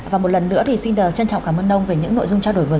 và một lần nữa thì xin chân trọng cảm ơn ông về những nội dung trao đổi vừa rồi